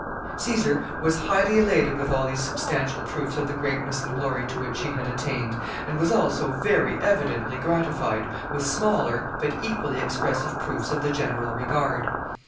] Caesar was highly elated with all these substantial proofs of the greatness and glory to which he had attained, and was also very evidently gratified with smaller, but equally expressive proofs of the general regard.